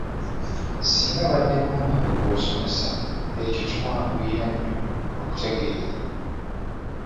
Singa abadde mwana nga gw’osomesa ekyo kimwanguyira nnyo okutegeera.